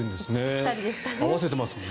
ぴったりでしたね。